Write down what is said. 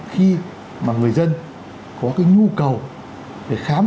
khi mà người dân có cái nhu cầu để khám